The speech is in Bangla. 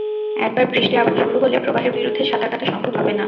একবার বৃষ্টি আবার শুরু হলে প্রবাহের বিরুদ্ধে সাঁতার কাটা সম্ভব হবে না।